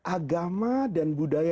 agama dan budaya